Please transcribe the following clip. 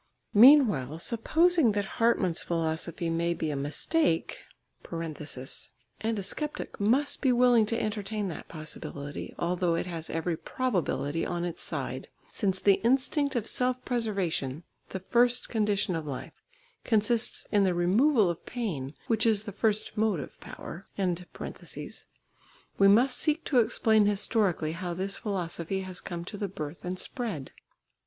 Meanwhile, supposing that Hartmann's philosophy may be a mistake, and a sceptic must be willing to entertain that possibility, although it has every probability on its side, since the instinct of self preservation, the first condition of life, consists in the removal of pain, which is the first motive power, we must seek to explain historically how this philosophy has come to the birth and spread.